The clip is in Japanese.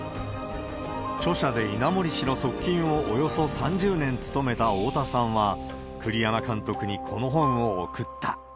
著者で稲森氏の側近をおよそ３０年務めた大田さんは、栗山監督にこの本を贈った。